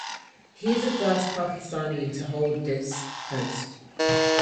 He is the first Pakistani to hold this post.